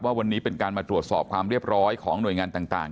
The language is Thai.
ว่าวันนี้เป็นการมาตรวจสอบความเรียบร้อยของหน่วยงานต่าง